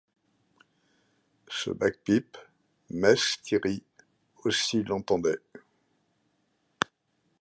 Ce bag-pipe, mess Lethierry aussi l’entendait.